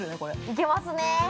◆いけますねぇ。